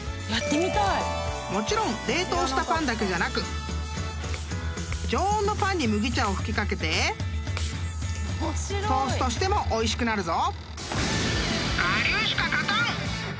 ［もちろん冷凍したパンだけじゃなく常温のパンに麦茶を吹き掛けてトーストしてもおいしくなるぞ］